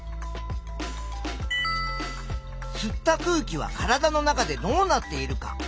「吸った空気は体の中でどうなっている」か？